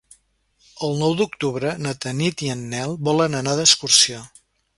El nou d'octubre na Tanit i en Nel volen anar d'excursió.